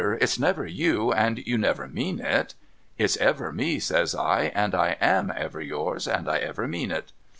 It's never you, and you never mean it ?'' It's ever me,' says I, ' and I am ever yours, and I ever mean it.'